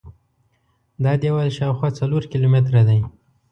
دا دیوال شاوخوا څلور کیلومتره دی.